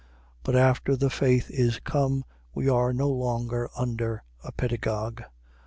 But after the faith is come, we are no longer under a pedagogue.